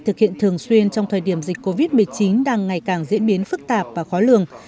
thực hiện thường xuyên trong thời điểm dịch covid một mươi chín đang ngày càng diễn biến phức tạp và khó lường